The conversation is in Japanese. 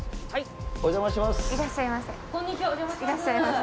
はい。